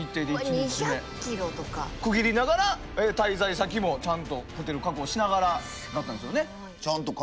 区切りながら滞在先もちゃんとホテル確保しながらだったんですよね。